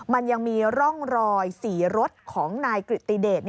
มันยังมีร่องรอยสีรถของนายกริติเดช